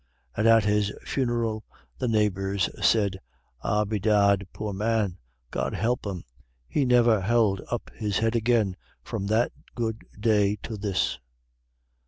And at his funeral the neighbors said, "Ah, bedad, poor man, God help him, he niver held up his head agin from that good day to this."